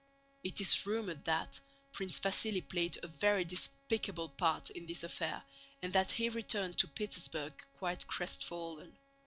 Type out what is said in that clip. It is rumored that Prince Vasíli played a very despicable part in this affair and that he returned to Petersburg quite crestfallen.